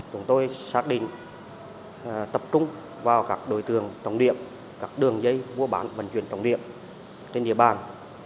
chúng tôi xác định tập trung vào các đối tượng trọng điệm các đường dây vua bán vận chuyển trọng điệm trên địa bàn